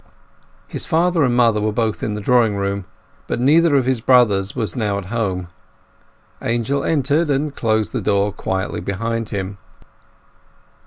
His father and mother were both in the drawing room, but neither of his brothers was now at home. Angel entered, and closed the door quietly behind him.